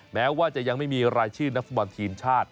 แม้ว่าจะยังไม่มีรายชื่อนักฟุตบอลทีมชาติ